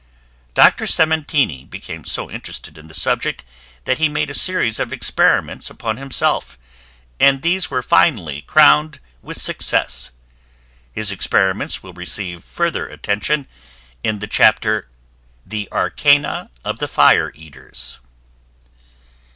Dr. Sementeni became so interested in the subject that he made a series of experiments upon himself, and these were finally crowned with success. His experiments will receive further attention in the chapter "The Arcana of the Fire Eaters."